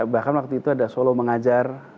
bahkan waktu itu ada solo mengajar